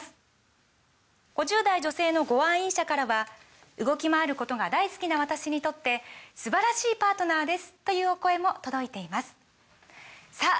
５０代女性のご愛飲者からは「動きまわることが大好きな私にとって素晴らしいパートナーです！」というお声も届いていますさあ